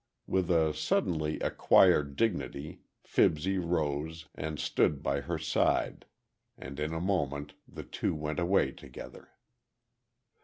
With a suddenly acquired dignity, Fibsy rose, and stood by her side, and in a moment the two went away together.